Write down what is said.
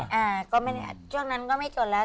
อ่าก็ไม่ได้ช่วงนั้นก็ไม่จนแล้ว